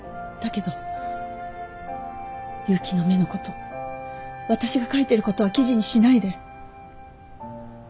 だけど結城の目のこと私が書いてることは記事にしないで。